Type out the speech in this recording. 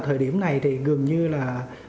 thời điểm này thì gần như là